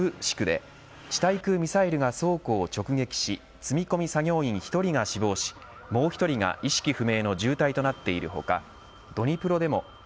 また東部ではクラマトルシクで地対空ミサイルが倉庫を直撃し積み込み作業員１人が死亡しもう１人が意識不明の重体となっている他